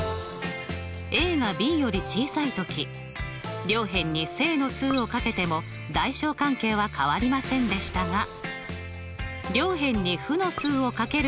がｂより小さい時両辺に正の数を掛けても大小関係は変わりませんでしたが両辺に負の数を掛けると。